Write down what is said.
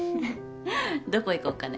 どこ行こっかね。